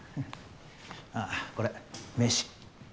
あぁこれ名刺。